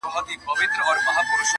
زلیخا دي کړه شاعره زه دي هلته منم عشقه-